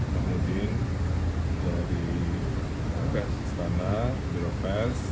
kemudian dari pestana jeroves